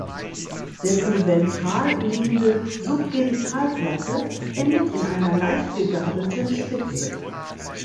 Dessen ventral liegende Subgenitalplatte endet in einer leicht gegabelten Spitze.